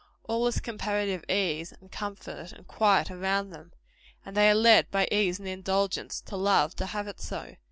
All is comparative ease, and comfort, and quiet around them; and they are led by ease and indulgence to love to have it so.